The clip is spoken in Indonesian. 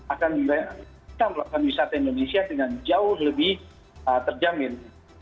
akan bisa melakukan wisata indonesia dengan jauh lebih terjamin